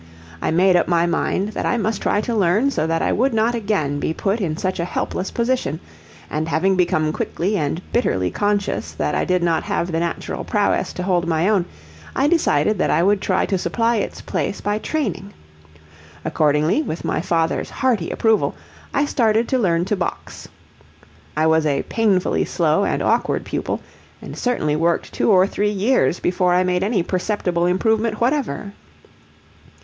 I made up my mind that I must try to learn so that I would not again be put in such a helpless position; and having become quickly and bitterly conscious that I did not have the natural prowess to hold my own, I decided that I would try to supply its place by training. Accordingly, with my father's hearty approval, I started to learn to box. I was a painfully slow and awkward pupil, and certainly worked two or three years before I made any perceptible improvement whatever.